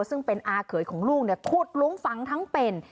ซึ่งเป็นอาเขยของลูกขุดลุ้งฝังทั้งเป็น